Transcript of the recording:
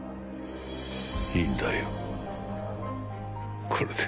いいんだよ、これで。